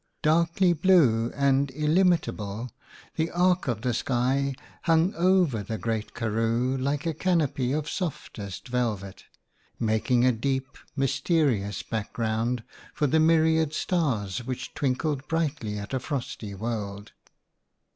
Darkly blue and illimitable, the arc of the sky hung over the great Karroo like a canopy of softest velvet, making a deep, mysterious background for the myriad stars, which twinkled brightly at a frosty world.